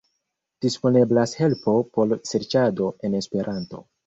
Disponeblas helpo por serĉado en Esperanto.